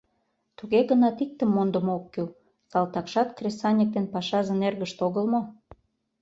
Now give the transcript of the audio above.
Туге гынат иктым мондымо ок кӱл: салтакшат кресаньык ден пашазын эргышт огыл мо?